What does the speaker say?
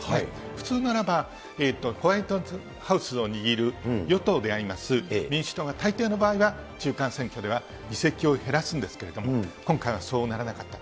普通ならば、ホワイトハウスを握る与党であります、民主党が大抵の場合は、中間選挙では議席を減らすんですけども、今回はそうならなかった。